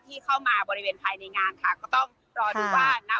ที่เข้ามาบริเวณภายในงานค่ะก็ต้องรอดูว่านะ